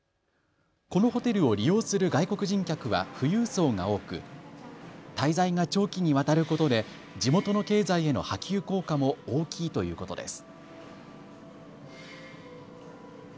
このホテルを利用する外国人客は富裕層が多く滞在が長期にわたることで地元の経済への波及効果も大きいということです。